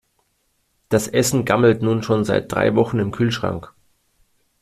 Das Essen gammelt nun schon seit drei Wochen im Kühlschrank.